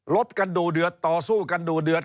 บกันดูเดือดต่อสู้กันดูเดือด